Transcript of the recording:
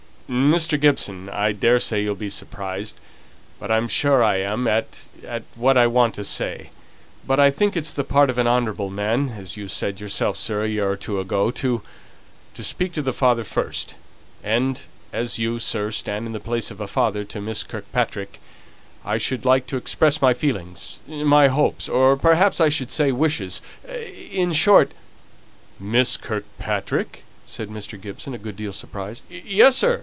"Mr. Gibson, I daresay you'll be surprised, I'm sure I am at at what I want to say; but I think it's the part of an honourable man, as you said yourself, sir, a year or two ago, to to speak to the father first, and as you, sir, stand in the place of a father to Miss Kirkpatrick, I should like to express my feelings, my hopes, or perhaps I should say wishes, in short " "Miss Kirkpatrick?" said Mr. Gibson, a good deal surprised. "Yes, sir!"